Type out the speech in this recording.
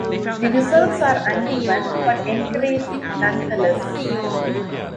The results are uneven, but encouraging nonetheless.